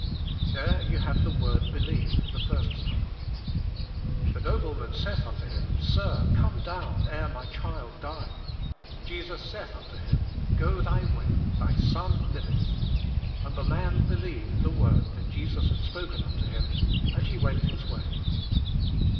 There you have the word "believe" the first time. "The nobleman saith unto Him, Sir, come down ere my child die. Jesus saith unto him. Go thy way; thy son liveth. And the man believed the word that Jesus had spoken unto him, and he went his way."